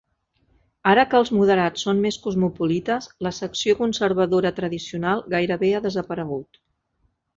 Ara que els moderats són més cosmopolites, la secció conservadora tradicional gairebé ha desaparegut.